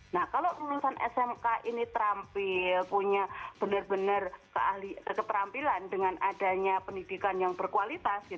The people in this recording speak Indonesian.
nah kalau lulusan smk ini terampil punya benar benar keterampilan dengan adanya pendidikan yang berkualitas